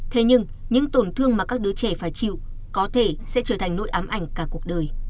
thế nhưng những tổn thương mà các đứa trẻ phải chịu có thể sẽ trở thành nỗi ám ảnh cả cuộc đời